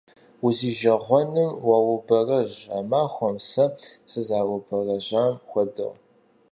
Узижэгъуэным уаубэрэжь а махуэм сэ сызэраубэрэжьам хуэдэу!